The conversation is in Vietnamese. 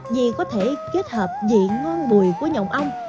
vì có thể kết hợp vị ngon bùi của nhồng ong